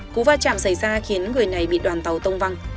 cú va chạm xảy ra khiến người này bị đoàn tàu tông văn